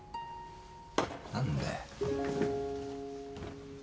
何だよ。